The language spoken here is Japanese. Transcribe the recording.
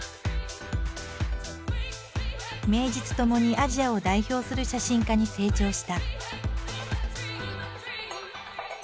名実ともにアジアを代表する写真家に成長した。